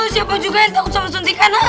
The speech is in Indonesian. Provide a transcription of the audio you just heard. siapa juga yang takut sama suntikan